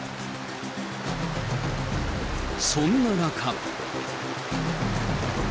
そんな中。